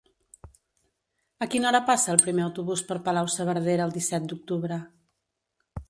A quina hora passa el primer autobús per Palau-saverdera el disset d'octubre?